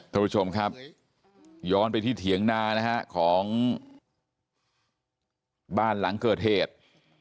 ทุกคนครับย้อนไปที่เถียงหน้าของบ้านหลังเกิดเหตุ